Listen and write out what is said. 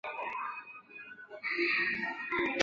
海军参谋本部遂下令海军部队返回北海。